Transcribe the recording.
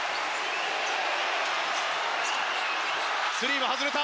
スリーは外れた。